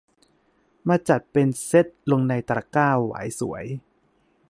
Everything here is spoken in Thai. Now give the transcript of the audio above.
มาจัดเป็นเซตลงในตะกร้าหวายสวย